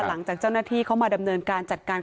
หลังจากเจ้าหน้าที่เข้ามาดำเนินการจัดการ